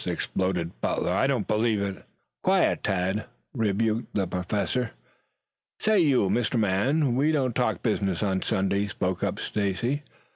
exploded Butler. "I don't believe it." "Quiet, Tad," rebuked the Professor. "Say, you Mister Man, we don't talk business on Sunday," spoke up Stacy.